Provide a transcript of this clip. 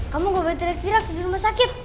kamu gak boleh terek terek di rumah sakit